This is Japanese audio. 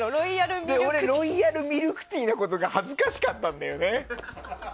ロイヤルミルクティーのことが恥ずかしかったんだよね。